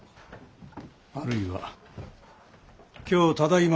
あるいは今日ただいま